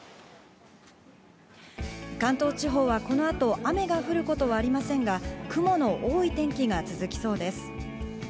関東地方はこの後、雨が降ることはありませんが、雲の多い天気が続きそうです。